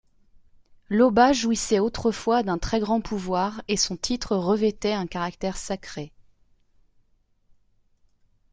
L'oba jouissait autrefois d'un très grand pouvoir et son titre revêtait un caractère sacré.